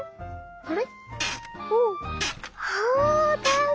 あれ？